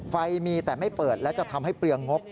ไฟมีแต่ไม่เปิดและจะทำให้เปลืองงบ